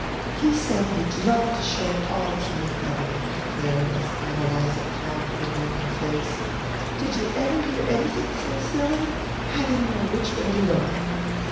"He said he'd love to show it all to me!" Evelina declared as Ann Eliza conned her glowing face. "Did you ever hear anything so silly? I didn't know which way to look."